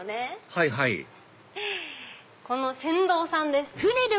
はいはいこの船頭さんです。